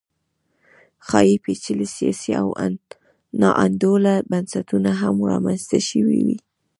ښايي پېچلي سیاسي او ناانډوله بنسټونه هم رامنځته شوي وي